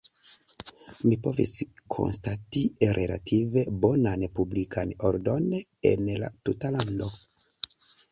Mi povis konstati relative bonan publikan ordon en la tuta lando.